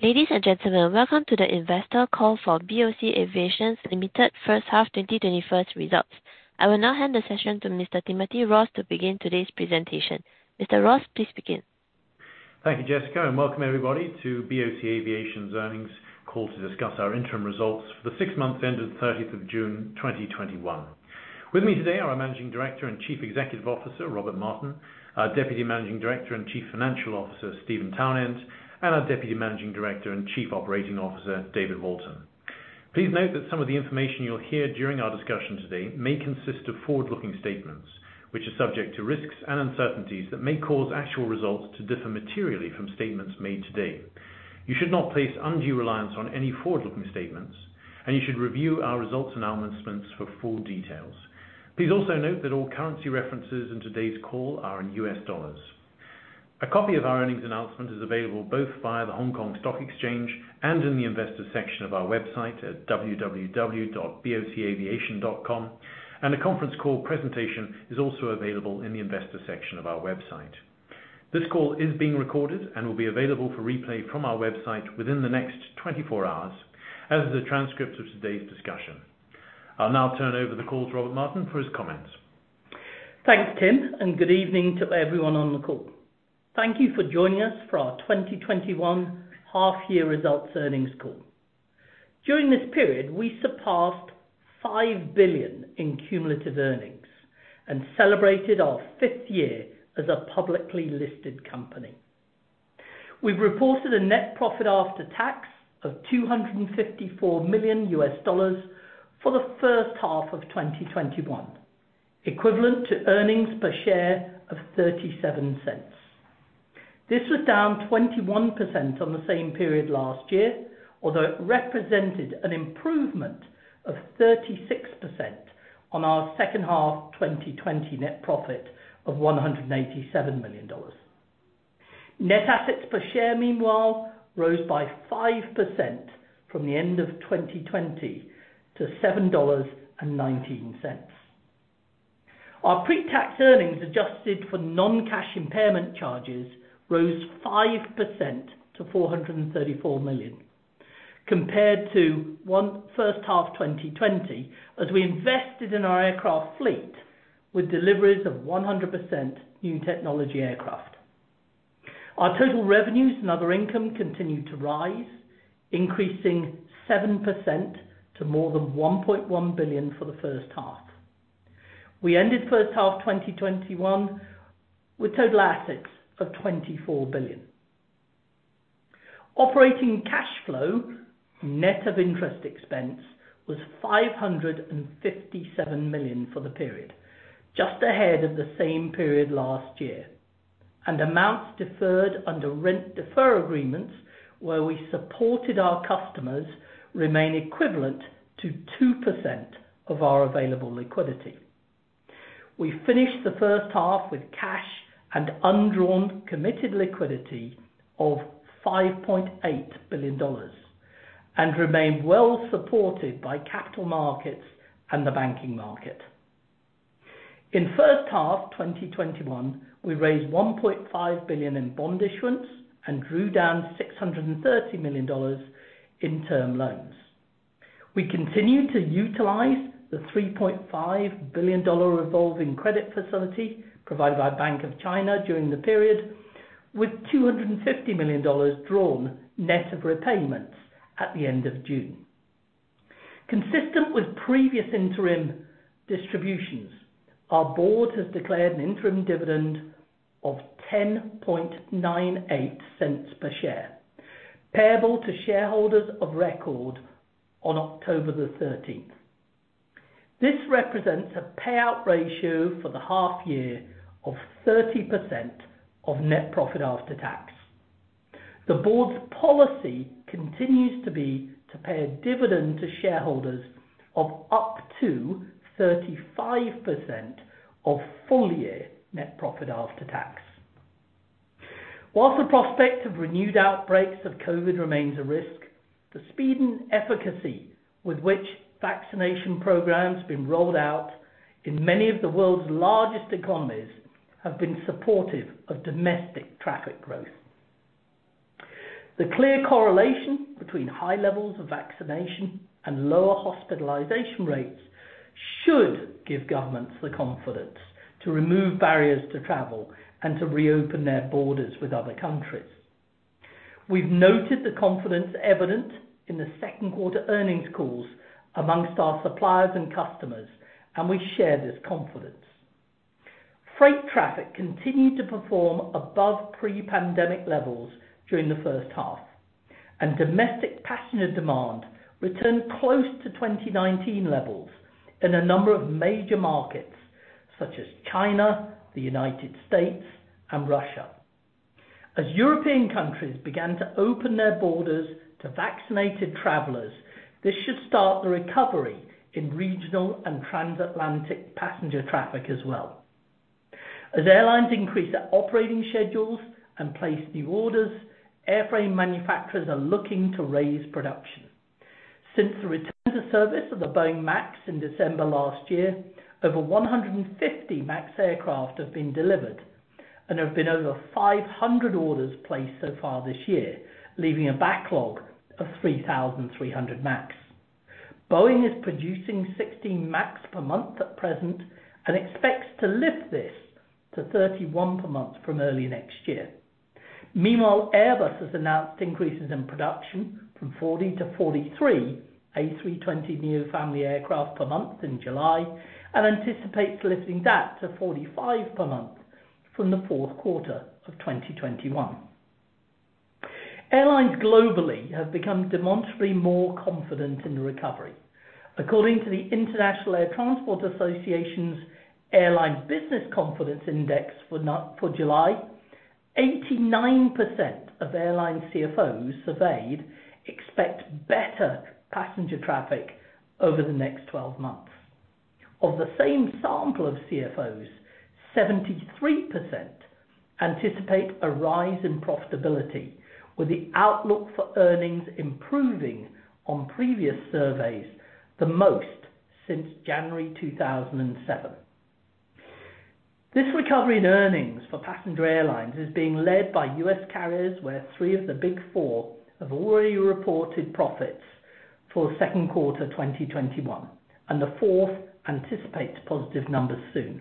Ladies and gentlemen, welcome to the investor call for BOC Aviation Limited first half 2021 results. I will now hand the session to Mr. Timothy Ross to begin today's presentation. Mr. Ross, please begin. Thank you, Jessica, and welcome everybody to BOC Aviation's earnings call to discuss our interim results for the six months ending 30th of June 2021. With me today are our Managing Director and Chief Executive Officer, Robert Martin, our Deputy Managing Director and Chief Financial Officer, Steven Townend, and our Deputy Managing Director and Chief Operating Officer, David Walton. Please note that some of the information you'll hear during our discussion today may consist of forward-looking statements, which are subject to risks and uncertainties that may cause actual results to differ materially from statements made today. You should not place undue reliance on any forward-looking statements. You should review our results announcements for full details. Please also note that all currency references in today's call are in U.S. dollars. A copy of our earnings announcement is available both via the Hong Kong Stock Exchange and in the Investor section of our website at www.bocaviation.com. A conference call presentation is also available in the Investor section of our website. This call is being recorded and will be available for replay from our website within the next 24 hours, as are the transcripts of today's discussion. I'll now turn over the call to Robert Martin for his comments. Thanks, Tim, and good evening to everyone on the call. Thank you for joining us for our 2021 half-year results earnings call. During this period, we surpassed $5 billion in cumulative earnings and celebrated our fifth year as a publicly listed company. We've reported a net profit after tax of $254 million for the first half of 2021, equivalent to earnings per share of $0.37. This was down 21% on the same period last year, although it represented an improvement of 36% on our second half 2020 net profit of $187 million. Net assets per share, meanwhile, rose by 5% from the end of 2020 to $7.19. Our pre-tax earnings, adjusted for non-cash impairment charges, rose 5% to $434 million compared to first half 2020, as we invested in our aircraft fleet with deliveries of 100% new technology aircraft. Our total revenues and other income continued to rise, increasing 7% to more than $1.1 billion for the first half. We ended first half 2021 with total assets of $24 billion. Operating cash flow, net of interest expense, was $557 million for the period, just ahead of the same period last year. Amounts deferred under rent deferral agreement where we supported our customers remain equivalent to 2% of our available liquidity. We finished the first half with cash and undrawn committed liquidity of $5.8 billion and remain well supported by capital markets and the banking market. In first half 2021, we raised $1.5 billion in bond issuance and drew down $630 million in term loans. We continued to utilize the $3.5 billion revolving credit facility provided by Bank of China during the period, with $250 million drawn net of repayments at the end of June. Consistent with previous interim distributions, our board has declared an interim dividend of $0.1098 per share, payable to shareholders of record on October 13th. This represents a payout ratio for the half year of 30% of net profit after tax. The board's policy continues to be to pay a dividend to shareholders of up to 35% of full-year net profit after tax. Whilst the prospect of renewed outbreaks of COVID-19 remains a risk, the speed and efficacy with which vaccination programs have been rolled out in many of the world's largest economies have been supportive of domestic traffic growth. The clear correlation between high levels of vaccination and lower hospitalization rates should give governments the confidence to remove barriers to travel and to reopen their borders with other countries. We've noted the confidence evident in the second quarter earnings calls among our suppliers and customers, and we share this confidence. Freight traffic continued to perform above pre-pandemic levels during the first half, and domestic passenger demand returned close to 2019 levels in a number of major markets such as China, the United States, and Russia. As European countries began to open their borders to vaccinated travelers, this should start the recovery in regional and transatlantic passenger traffic as well. As airlines increase their operating schedules and place new orders, airframe manufacturers are looking to raise production. Since the return to service of the Boeing MAX in December last year, over 150 MAX aircraft have been delivered and there have been over 500 orders placed so far this year, leaving a backlog of 3,300 MAX. Boeing is producing 16 MAX per month at present and expects to lift this to 31 per month from early next year. Meanwhile, Airbus has announced increases in production from 40 to 43 A320neo family aircraft per month in July and anticipates lifting that to 45 per month from the fourth quarter of 2021. Airlines globally have become demonstrably more confident in the recovery. According to the International Air Transport Association's Airline Business Confidence Index for July, 89% of airline CFOs surveyed expect better passenger traffic over the next 12 months. Of the same sample of CFOs, 73% anticipate a rise in profitability, with the outlook for earnings improving on previous surveys the most since January 2007. This recovery in earnings for passenger airlines is being led by U.S. carriers, where three of the big four have already reported profits for the second quarter 2021, and the fourth anticipates positive numbers soon.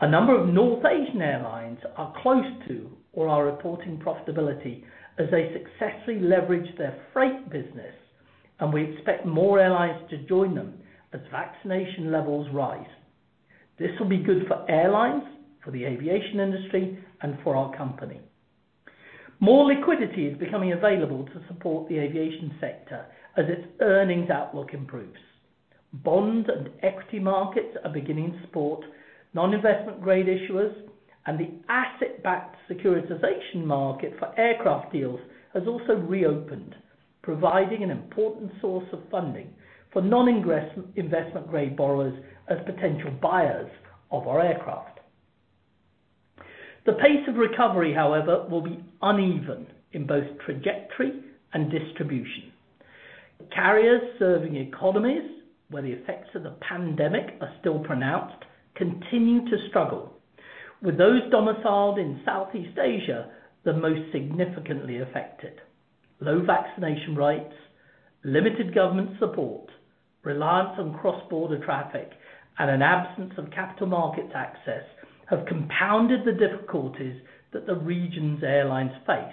A number of North Asian airlines are close to or are reporting profitability as they successfully leverage their freight business. We expect more airlines to join them as vaccination levels rise. This will be good for airlines, for the aviation industry, and for our company. More liquidity is becoming available to support the aviation sector as its earnings outlook improves. Bond and equity markets are beginning to support non-investment grade issuers. The asset-backed securitization market for aircraft deals has also reopened, providing an important source of funding for non-investment grade borrowers as potential buyers of our aircraft. The pace of recovery, however, will be uneven in both trajectory and distribution. Carriers serving economies where the effects of the pandemic are still pronounced continue to struggle, with those domiciled in Southeast Asia the most significantly affected. Low vaccination rates, limited government support, reliance on cross-border traffic, and an absence of capital markets access have compounded the difficulties that the region's airlines face,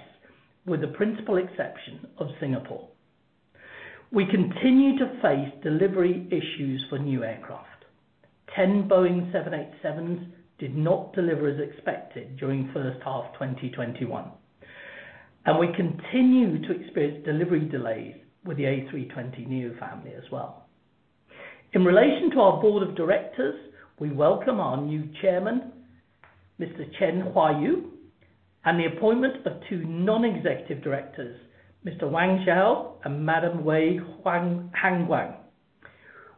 with the principal exception of Singapore. We continue to face delivery issues for new aircraft. 10 Boeing 787s did not deliver as expected during the first half of 2021, and we continue to experience delivery delays with the A320neo family as well. In relation to our Board of Directors, we welcome our new Chairman, Mr. Chen Huaiyu, and the appointment of two Non-executive Directors, Mr. Wang Xiao and Madam Wei Hanguang.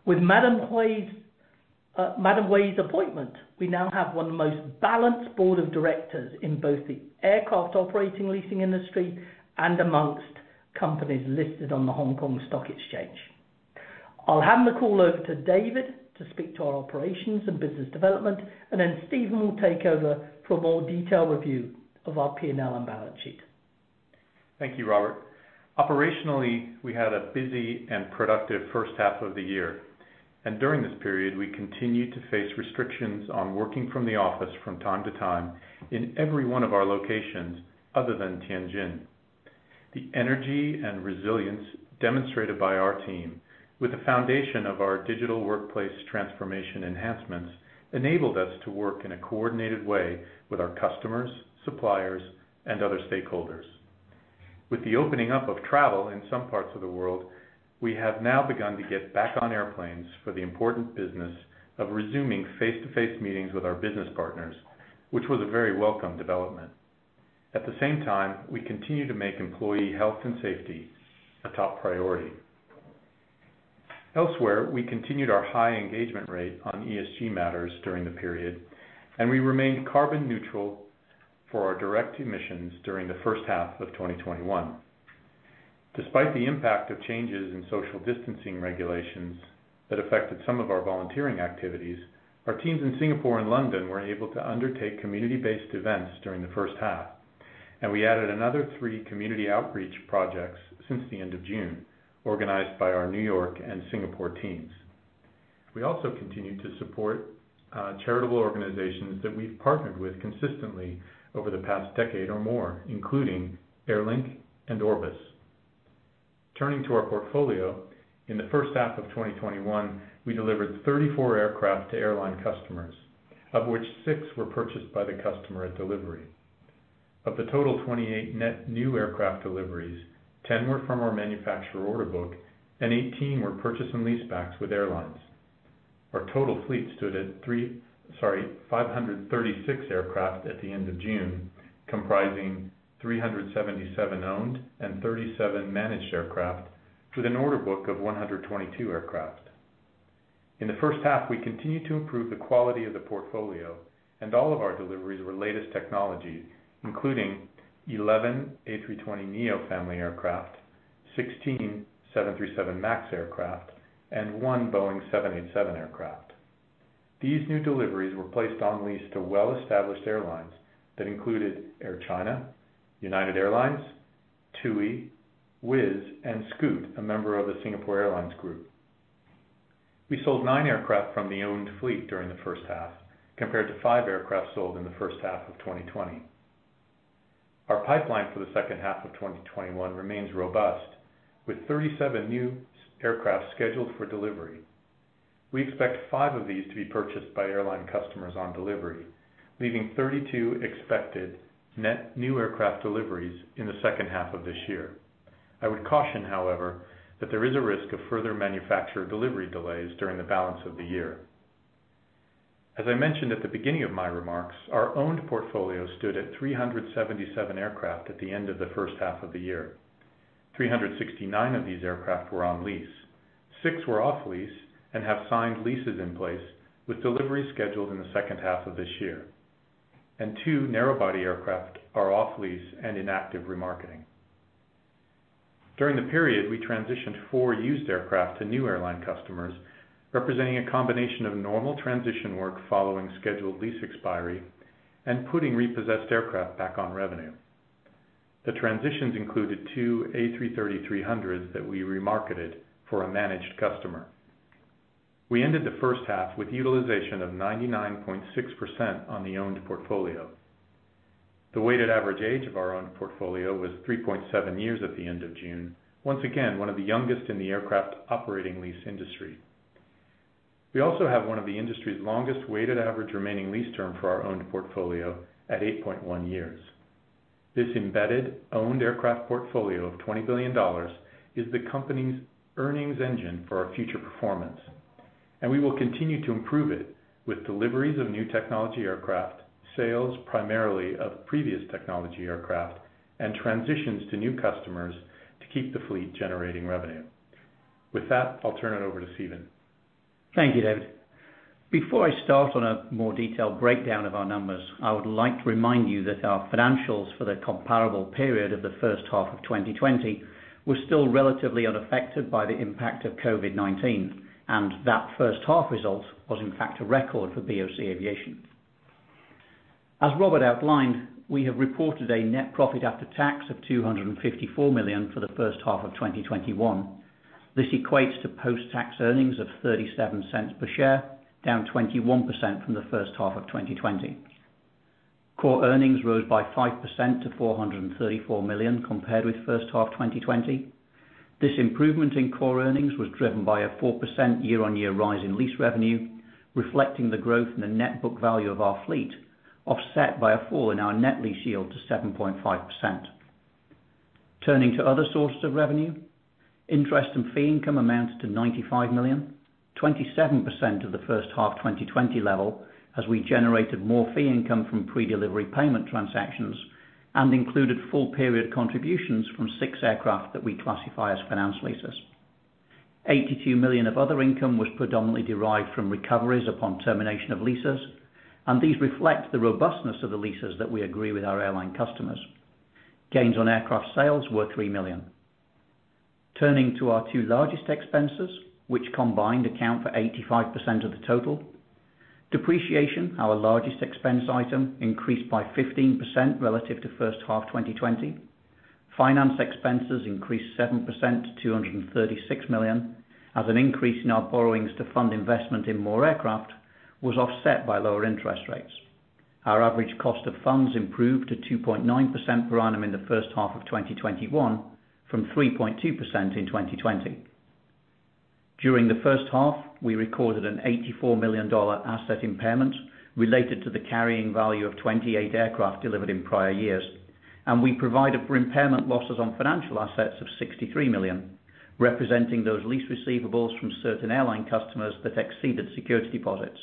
With Madam Wei's appointment, we now have one of the most balanced Board of Directors in both the aircraft operating leasing industry and amongst companies listed on the Hong Kong Stock Exchange. I'll hand the call over to David to speak to our operations and business development, and then Steven will take over for a more detailed review of our P&L and balance sheet. Thank you, Robert. Operationally, we had a busy and productive first half of the year, and during this period, we continued to face restrictions on working from the office from time to time in every one of our locations other than Tianjin. The energy and resilience demonstrated by our team with the foundation of our digital workplace transformation enhancements enabled us to work in a coordinated way with our customers, suppliers, and other stakeholders. With the opening up of travel in some parts of the world, we have now begun to get back on airplanes for the important business of resuming face-to-face meetings with our business partners, which was a very welcome development. At the same time, we continue to make employee health and safety a top priority. Elsewhere, we continued our high engagement rate on ESG matters during the period, and we remained carbon neutral for our direct emissions during the first half of 2021. Despite the impact of changes in social distancing regulations that affected some of our volunteering activities, our teams in Singapore and London were able to undertake community-based events during the first half, and we added another three community outreach projects since the end of June, organized by our New York and Singapore teams. We also continue to support charitable organizations that we've partnered with consistently over the past decade or more, including Airlink and Orbis. Turning to our portfolio, in the first half of 2021, we delivered 34 aircraft to airline customers, of which six were purchased by the customer at delivery. Of the total 28 net new aircraft deliveries, 10 were from our manufacturer order book and 18 were purchase and leasebacks with airlines. Our total fleet stood at 536 aircraft at the end of June, comprising 377 owned and 37 managed aircraft with an order book of 122 aircraft. In the first half, we continued to improve the quality of the portfolio, and all of our deliveries were latest technology, including 11 A320neo family aircraft, 16 737 MAX aircraft, and one Boeing 787 aircraft. These new deliveries were placed on lease to well-established airlines that included Air China, United Airlines, TUI, Wizz, and Scoot, a member of the Singapore Airlines Group. We sold nine aircraft from the owned fleet during the first half, compared to five aircraft sold in the first half of 2020. Our pipeline for the second half of 2021 remains robust, with 37 new aircraft scheduled for delivery. We expect five of these to be purchased by airline customers on delivery, leaving 32 expected net new aircraft deliveries in the second half of this year. I would caution, however, that there is a risk of further manufacturer delivery delays during the balance of the year. As I mentioned at the beginning of my remarks, our owned portfolio stood at 377 aircraft at the end of the first half of the year. 369 of these aircraft were on lease. Six were off lease and have signed leases in place with deliveries scheduled in the second half of this year. Two narrow-body aircraft are off lease and in active remarketing. During the period, we transitioned four used aircraft to new airline customers, representing a combination of normal transition work following scheduled lease expiry and putting repossessed aircraft back on revenue. The transitions included two A330s that we remarketed for a managed customer. We ended the first half with utilization of 99.6% on the owned portfolio. The weighted average age of our owned portfolio was 3.7 years at the end of June, once again, one of the youngest in the aircraft operating lease industry. We also have one of the industry's longest weighted average remaining lease term for our owned portfolio at 8.1 years. This embedded owned aircraft portfolio of $20 billion is the company's earnings engine for our future performance, and we will continue to improve it with deliveries of new technology aircraft, sales primarily of previous technology aircraft, and transitions to new customers to keep the fleet generating revenue. With that, I'll turn it over to Steven. Thank you, David. Before I start on a more detailed breakdown of our numbers, I would like to remind you that our financials for the comparable period of the first half of 2020 were still relatively unaffected by the impact of COVID-19, and that first half result was in fact a record for BOC Aviation. As Robert outlined, we have reported a net profit after tax of $254 million for the first half of 2021. This equates to post-tax earnings of $0.37 per share, down 21% from the first half of 2020. Core earnings rose by 5% to $434 million compared with first half 2020. This improvement in core earnings was driven by a 4% year-on-year rise in lease revenue, reflecting the growth in the net book value of our fleet, offset by a fall in our net lease yield to 7.5%. Turning to other sources of revenue, interest and fee income amounted to $95 million, 27% of the first half 2020 level, as we generated more fee income from predelivery payment transactions and included full-period contributions from six aircraft that we classify as finance leases. These reflect the robustness of the leases that we agree with our airline customers. Gains on aircraft sales were $3 million. Turning to our two largest expenses, which combined account for 85% of the total. Depreciation, our largest expense item, increased by 15% relative to first half 2020. Finance expenses increased 7% to $236 million. An increase in our borrowings to fund investment in more aircraft was offset by lower interest rates. Our average cost of funds improved to 2.9% per annum in the first half of 2021 from 3.2% in 2020. During the first half, we recorded an $84 million asset impairment related to the carrying value of 28 aircraft delivered in prior years, and we provided for impairment losses on financial assets of $63 million, representing those lease receivables from certain airline customers that exceeded security deposits.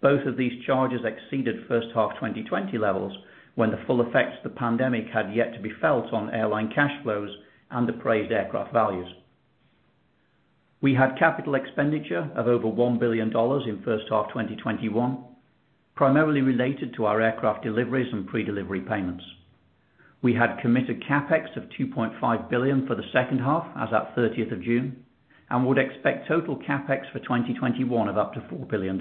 Both of these charges exceeded first half 2020 levels when the full effects of the pandemic had yet to be felt on airline cash flows and appraised aircraft values. We had capital expenditure of over $1 billion in the first half of 2021, primarily related to our aircraft deliveries and predelivery payments. We had committed CapEx of $2.5 billion for the second half as at 30th of June and would expect total CapEx for 2021 of up to $4 billion.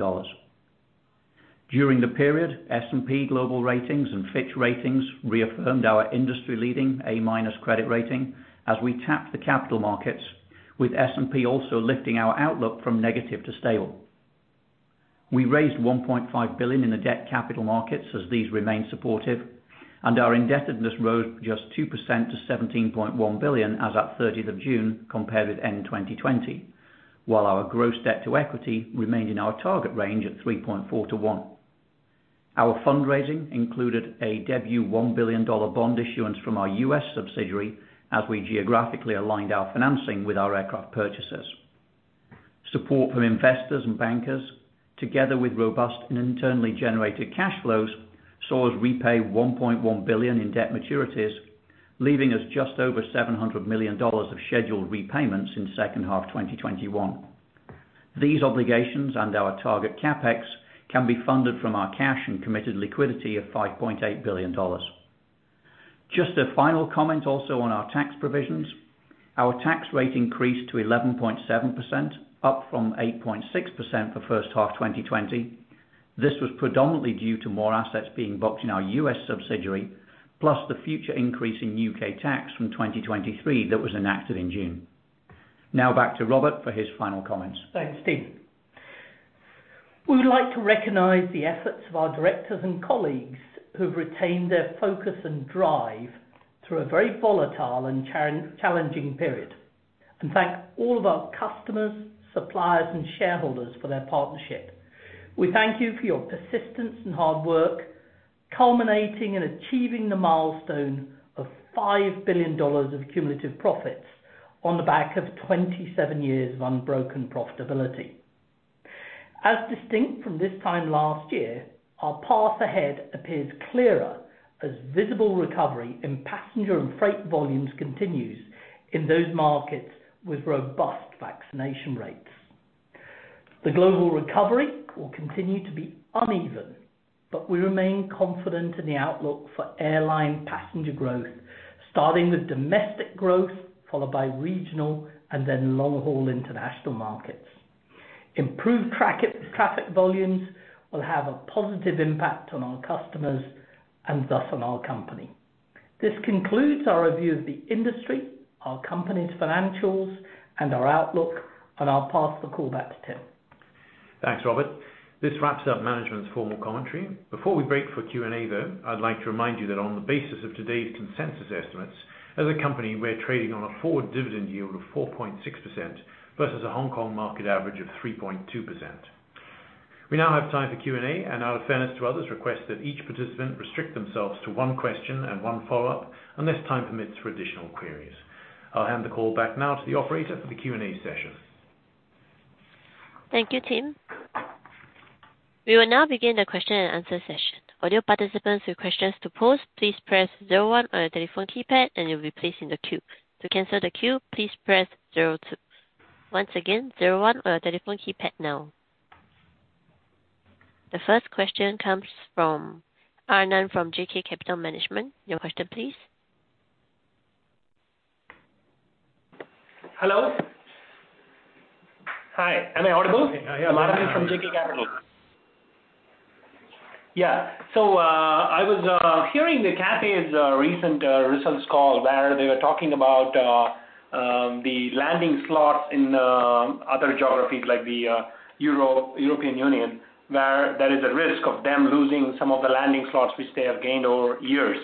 During the period, S&P Global Ratings and Fitch Ratings reaffirmed our industry-leading A- credit rating as we tapped the capital markets, with S&P also lifting our outlook from negative to stable. We raised $1.5 billion in the debt capital markets, as these remain supportive, and our indebtedness rose just 2% to $17.1 billion as at 30th of June, compared with end 2020. While our gross debt to equity remained in our target range at 3.4:1 Our fundraising included a debut $1 billion bond issuance from our U.S. subsidiary as we geographically aligned our financing with our aircraft purchases. Support from investors and bankers, together with robust and internally generated cash flows, saw us repay $1.1 billion in debt maturities. Leaving us just over $700 million of scheduled repayments in the second half of 2021. These obligations and our target CapEx can be funded from our cash and committed liquidity of $5.8 billion. Just a final comment also on our tax provisions. Our tax rate increased to 11.7%, up from 8.6% for the first half of 2020. This was predominantly due to more assets being booked in our U.S. subsidiary, plus the future increase in U.K. tax from 2023 that was enacted in June. Now back to Robert for his final comments. Thanks, Steve. We would like to recognize the efforts of our directors and colleagues who have retained their focus and drive through a very volatile and challenging period. Thank all of our customers, suppliers, and shareholders for their partnership. We thank you for your persistence and hard work, culminating in achieving the milestone of $5 billion of cumulative profits on the back of 27 years of unbroken profitability. As distinct from this time last year, our path ahead appears clearer as visible recovery in passenger and freight volumes continues in those markets with robust vaccination rates. The global recovery will continue to be uneven, but we remain confident in the outlook for airline passenger growth, starting with domestic growth, followed by regional, and then long-haul international markets. Improved traffic volumes will have a positive impact on our customers and thus on our company. This concludes our review of the industry, our company's financials, and our outlook, and I'll pass the call back to Tim. Thanks, Robert. This wraps up management's formal commentary. Before we break for Q&A, though, I'd like to remind you that on the basis of today's consensus estimates, as a company, we're trading on a forward dividend yield of 4.6% versus a Hong Kong market average of 3.2%. We now have time for Q&A, and out of fairness to others, request that each participant restrict themselves to one question and one follow-up, unless time permits for additional queries. I'll hand the call back now to the operator for the Q&A session. Thank you, Tim. We will now begin the question and answer session. The first question comes from Arnaud from JK Capital Management. Your question, please. Hello. Hi. Am I audible? Yeah. Arnaud from JK Capital Management. I was hearing the Cathay Pacific's recent results call where they were talking about the landing slots in other geographies like the European Union, where there is a risk of them losing some of the landing slots which they have gained over years.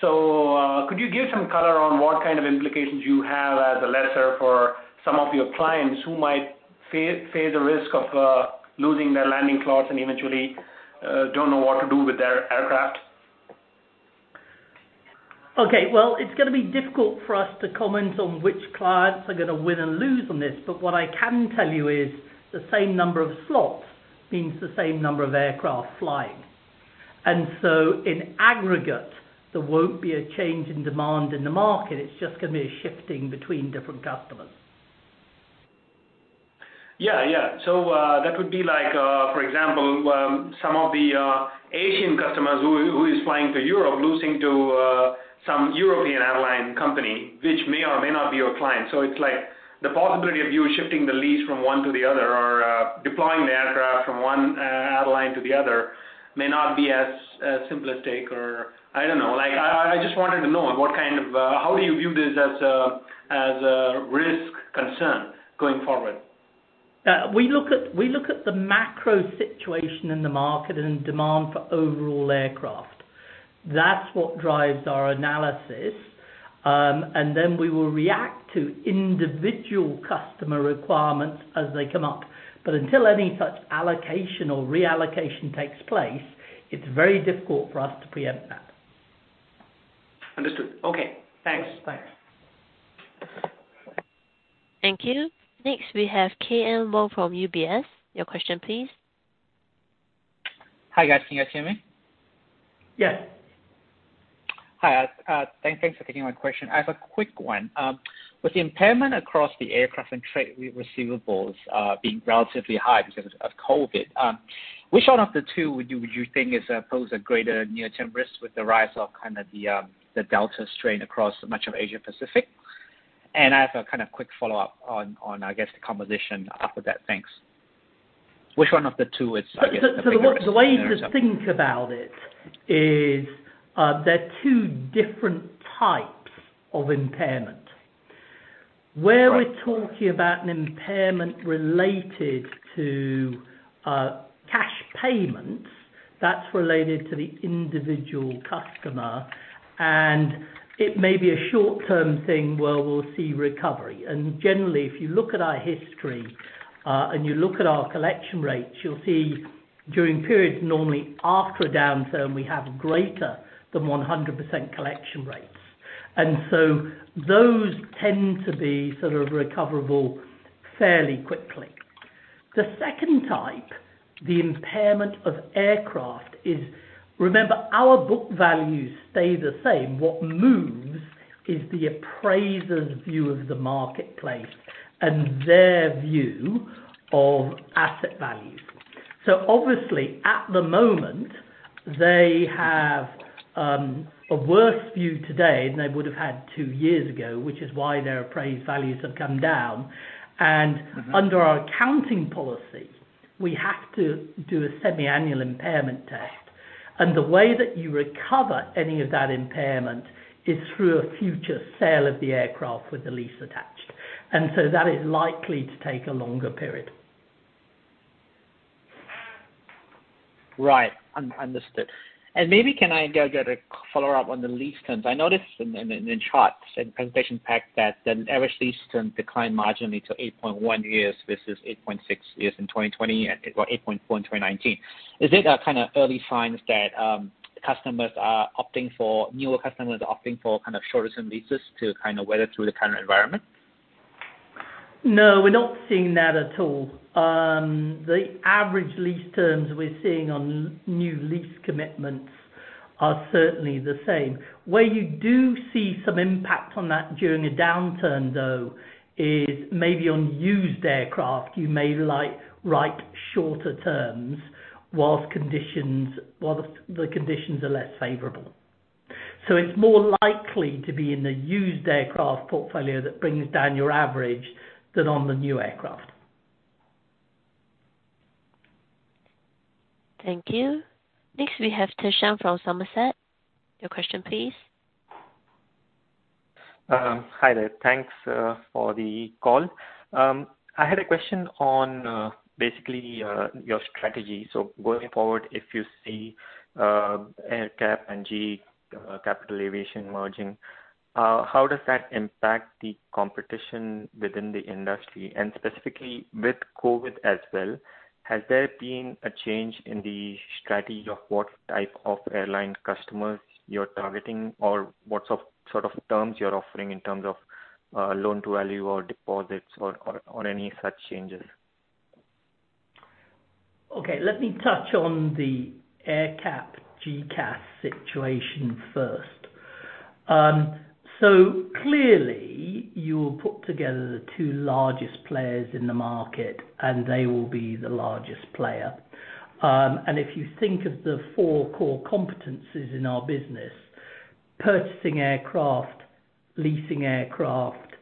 Could you give some color on what kind of implications you have as a lessor for some of your clients who might face a risk of losing their landing slots and eventually don't know what to do with their aircraft? Okay. Well, it's going to be difficult for us to comment on which clients are going to win and lose on this, what I can tell you is the same number of slots means the same number of aircraft flying. In aggregate, there won't be a change in demand in the market. It's just going to be a shifting between different customers. Yeah. That would be like, for example, some of the Asian customers who are flying to Europe losing to some European airline company, which may or may not be your client. It's like the possibility of you shifting the lease from one to the other or deploying the aircraft from one airline to the other may not be as simplistic. I don't know. I just wanted to know how do you view this as a risk concern going forward? We look at the macro situation in the market and demand for overall aircraft. That's what drives our analysis, then we will react to individual customer requirements as they come up. Until any such allocation or reallocation takes place, it's very difficult for us to preempt that. Understood. Okay. Thanks. Thanks. Thank you. Next, we have Kim Wong from UBS. Your question, please. Hi, guys. Can you guys hear me? Yes. Hi. Thanks for taking my question. I have a quick one. With the impairment across the aircraft and trade receivables being relatively high because of COVID, which one of the two would you think pose a greater near-term risk with the rise of kind of the Delta variant across much of Asia-Pacific? I have a kind of quick follow-up on, I guess, the composition after that. Thanks. Which one of the two is, I guess, the bigger risk there is? The way to think about it is there are two different types of impairment. Right. Where we're talking about an impairment related to cash payments, that's related to the individual customer, and it may be a short-term thing where we'll see recovery. Generally, if you look at our history, and you look at our collection rates, you'll see during periods, normally after a downturn, we have greater than 100% collection rates. Those tend to be sort of recoverable fairly quickly. The second type, the impairment of aircraft, is, remember, our book values stay the same. What moves is the appraiser's view of the marketplace and their view of asset values. Obviously, at the moment, they have a worse view today than they would've had two years ago, which is why their appraised values have come down. Under our accounting policy, we have to do a semi-annual impairment test. The way that you recover any of that impairment is through a future sale of the aircraft with the lease attached. That is likely to take a longer period. Right. Understood. Maybe can I get a follow-up on the lease terms? I noticed in the charts and presentation pack that the average lease term declined marginally to 8.1 years versus 8.6 years in 2020 and 8.4 in 2019. Is it a kind of early sign that newer customers are opting for shorter term leases to weather through the current environment? No, we're not seeing that at all. The average lease terms we're seeing on new lease commitments are certainly the same. Where you do see some impact on that during a downturn, though, is maybe on used aircraft. You may write shorter terms whilst the conditions are less favorable. It's more likely to be in the used aircraft portfolio that brings down your average than on the new aircraft. Thank you. Next, we have Tushar from Somerset. Your question please. Hi there. Thanks for the call. I had a question on basically your strategy. Going forward, if you see AerCap and GE Capital Aviation merging, how does that impact the competition within the industry? Specifically with COVID as well, has there been a change in the strategy of what type of airline customers you're targeting or what sort of terms you're offering in terms of loan to value or deposits or any such changes? Okay. Let me touch on the AerCap GECAS situation first. Clearly, you will put together the two largest players in the market, and they will be the largest player. If you think of the four core competencies in our business, purchasing aircraft, leasing aircraft,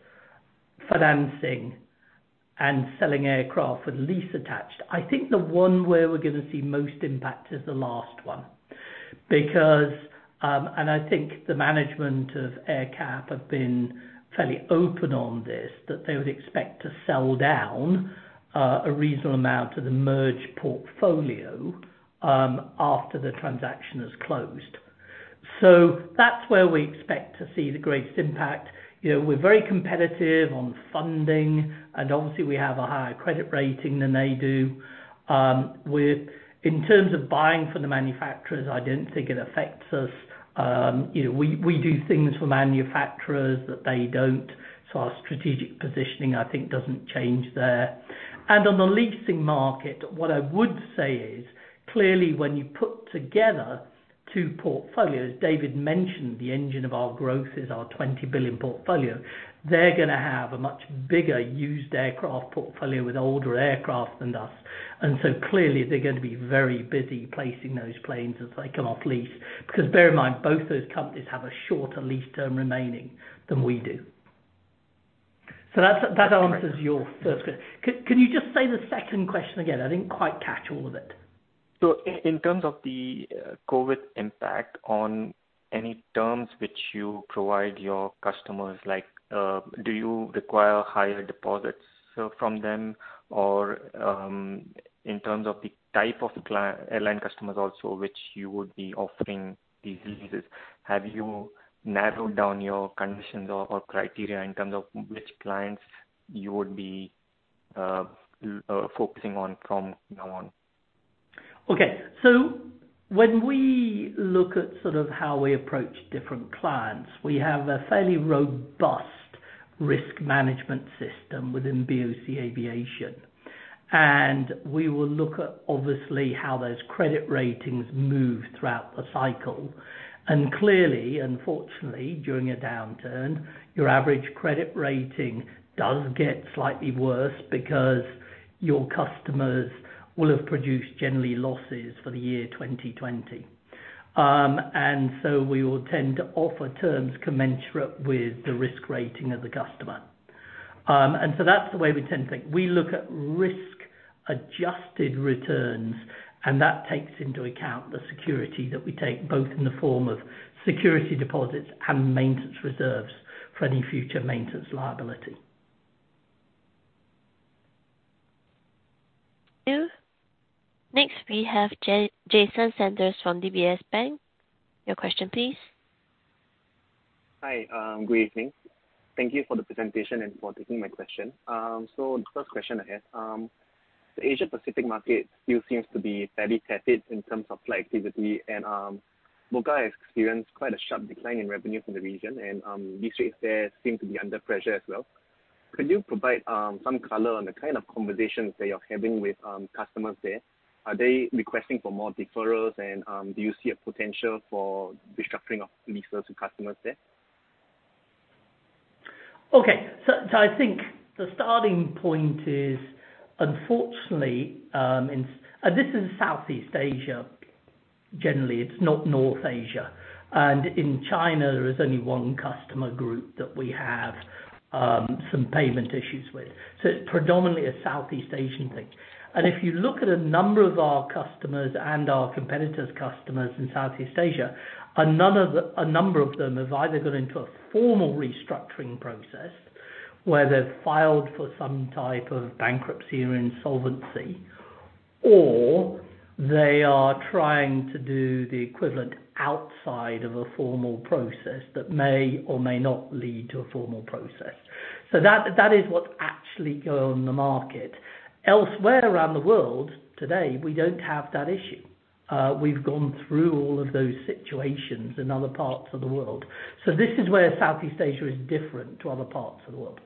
financing, and selling aircraft with lease attached, I think the one where we're going to see most impact is the last one. I think the management of AerCap have been fairly open on this, that they would expect to sell down a reasonable amount of the merged portfolio after the transaction is closed. That's where we expect to see the greatest impact. We're very competitive on funding, and obviously we have a higher credit rating than they do. In terms of buying from the manufacturers, I don't think it affects us. We do things for manufacturers that they don't. Our strategic positioning, I think, doesn't change there. On the leasing market, what I would say is, clearly when you put together two portfolios, David mentioned the engine of our growth is our $20 billion portfolio. They're going to have a much bigger used aircraft portfolio with older aircraft than us. Clearly they're going to be very busy placing those planes as they come off lease. Bear in mind, both those companies have a shorter lease term remaining than we do. That answers your first question. Can you just say the second question again? I didn't quite catch all of it. In terms of the COVID-19 impact on any terms which you provide your customers, do you require higher deposits from them? Or, in terms of the type of airline customers also which you would be offering these leases, have you narrowed down your conditions or criteria in terms of which clients you would be focusing on from now on? Okay. When we look at how we approach different clients, we have a fairly robust risk management system within BOC Aviation, and we will look at, obviously, how those credit ratings move throughout the cycle. Clearly, unfortunately, during a downturn, your average credit rating does get slightly worse because your customers will have produced generally losses for the year 2020. We will tend to offer terms commensurate with the risk rating of the customer. That's the way we tend to think. We look at risk-adjusted returns, and that takes into account the security that we take, both in the form of security deposits and maintenance reserves for any future maintenance liability. Thank you. Next, we have Jason Sanders from DBS Bank. Your question please. Hi. Good evening. Thank you for the presentation and for taking my question. The first question I have, the Asia-Pacific market still seems to be fairly tepid in terms of flight activity, and BOC has experienced quite a sharp decline in revenue from the region. Lease rates there seem to be under pressure as well. Could you provide some color on the kind of conversations that you're having with customers there? Are they requesting for more deferrals and do you see a potential for restructuring of leases to customers there? Okay. I think the starting point is, unfortunately, this is Southeast Asia, generally, it's not North Asia. In China, there is only one customer group that we have some payment issues with. It's predominantly a Southeast Asian thing. If you look at a number of our customers and our competitors' customers in Southeast Asia, a number of them have either gone into a formal restructuring process, where they've filed for some type of bankruptcy or insolvency, or they are trying to do the equivalent outside of a formal process that may or may not lead to a formal process. That is what's actually going on in the market. Elsewhere around the world today, we don't have that issue. We've gone through all of those situations in other parts of the world. This is where Southeast Asia is different to other parts of the world.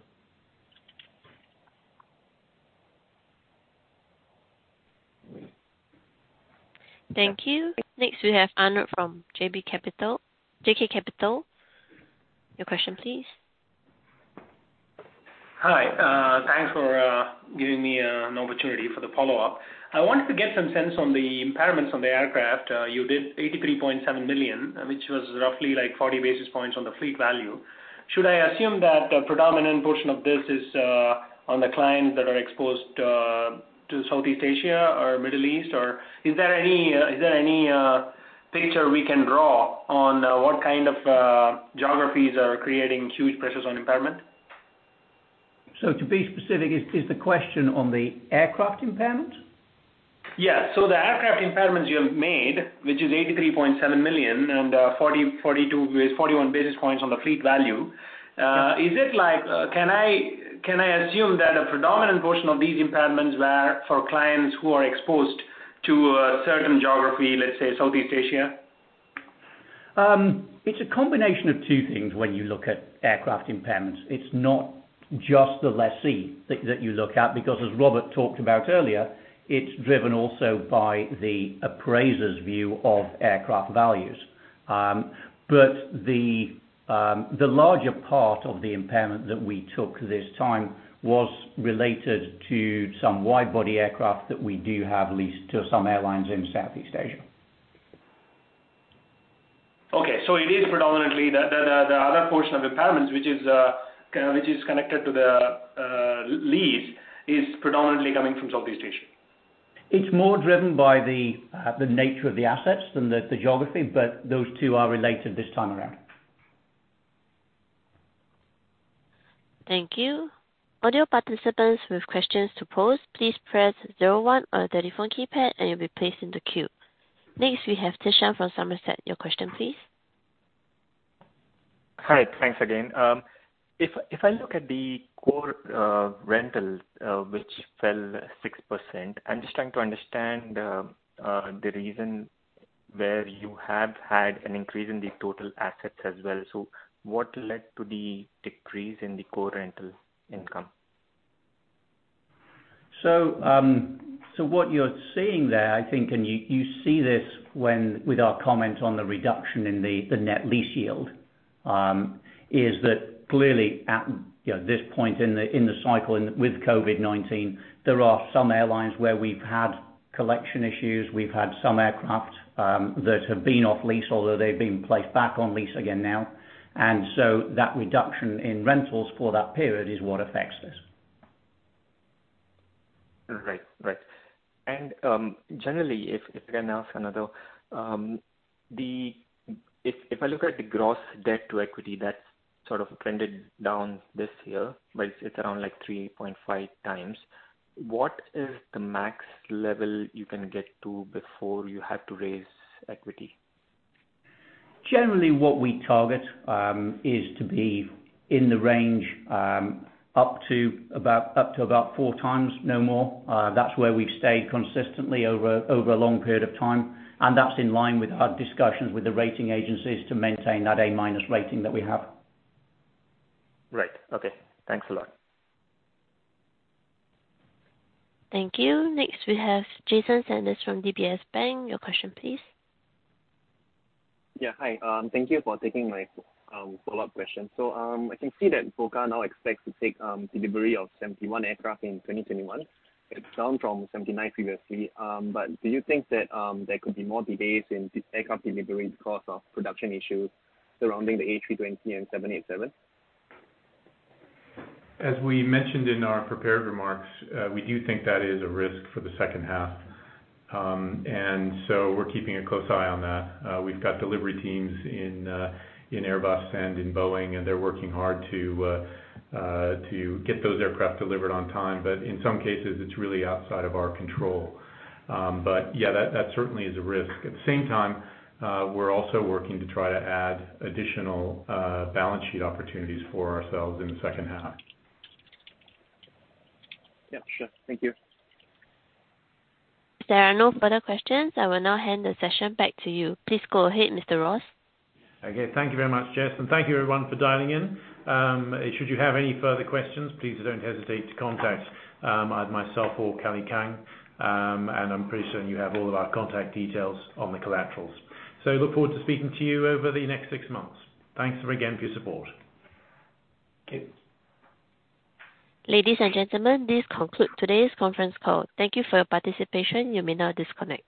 Thank you. Next, we have Anuj from JK Capital. Your question please. Hi. Thanks for giving me an opportunity for the follow-up. I wanted to get some sense on the impairments on the aircraft. You did $83.7 million, which was roughly 40 basis points on the fleet value. Should I assume that the predominant portion of this is on the clients that are exposed to Southeast Asia or Middle East? Is there any picture we can draw on what kind of geographies are creating huge pressures on impairment? To be specific, is the question on the aircraft impairment? Yeah. The aircraft impairments you have made, which is $83.7 million and 41 basis points on the fleet value. Can I assume that a predominant portion of these impairments were for clients who are exposed to a certain geography, let's say Southeast Asia? It's a combination of two things when you look at aircraft impairments. It's not just the lessee that you look at, because as Robert talked about earlier, it's driven also by the appraiser's view of aircraft values. The larger part of the impairment that we took this time was related to some wide-body aircraft that we do have leased to some airlines in Southeast Asia. It is predominantly the other portion of impairments, which is connected to the lease, is predominantly coming from Southeast Asia. It's more driven by the nature of the assets than the geography, but those two are related this time around. Thank you. Audio participants with questions to pose, please press zero one on your telephone keypad and you'll be placed in the queue. Next, we have Tushar from Somerset. Your question please. Hi. Thanks again. If I look at the core rentals, which fell 6%, I am just trying to understand the reason where you have had an increase in the total assets as well. What led to the decrease in the core rental income? What you're seeing there, I think, and you see this with our comment on the reduction in the net lease yield, is that clearly at this point in the cycle and with COVID-19, there are some airlines where we've had collection issues. We've had some aircraft that have been off lease, although they've been placed back on lease again now. That reduction in rentals for that period is what affects this. Right. Generally, if I can ask another. If I look at the gross debt to equity, that sort of trended down this year, but it's around 3.5x. What is the max level you can get to before you have to raise equity? Generally, what we target, is to be in the range up to about 4x, no more. That's where we've stayed consistently over a long period of time. That's in line with our discussions with the rating agencies to maintain that A- rating that we have. Right. Okay. Thanks a lot. Thank you. Next, we have Jason Sanders from DBS Bank. Your question please. Yeah. Hi. Thank you for taking my follow-up question. I can see that BOC Aviation now expects to take delivery of 71 aircraft in 2021. It's down from 79 previously. Do you think that there could be more delays in the aircraft delivery because of production issues surrounding the A320 and 787? We mentioned in our prepared remarks, we do think that is a risk for the second half. We're keeping a close eye on that. We've got delivery teams in Airbus and in Boeing, and they're working hard to get those aircraft delivered on time. In some cases, it's really outside of our control. Yeah, that certainly is a risk. At the same time, we're also working to try to add additional balance sheet opportunities for ourselves in the second half. Yeah, sure. Thank you. If there are no further questions, I will now hand the session back to you. Please go ahead, Mr. Ross. Okay. Thank you very much, Jess, and thank you everyone for dialing in. Should you have any further questions, please don't hesitate to contact either myself or Kelly Kang. I'm pretty sure you have all of our contact details on the collaterals. Look forward to speaking to you over the next six months. Thanks again for your support. Ladies and gentlemen, this concludes today's conference call. Thank you for your participation. You may now disconnect.